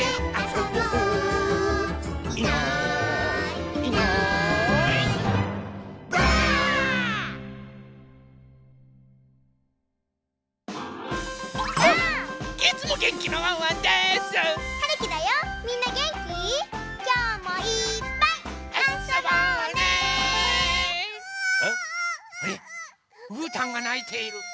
うーたんがないている。